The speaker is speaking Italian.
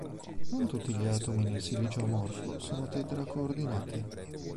Non tutti gli atomi nel silicio amorfo sono tetra-coordinati.